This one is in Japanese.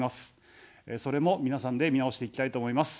それも皆さんで見直していきたいと思います。